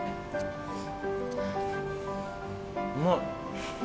うまい。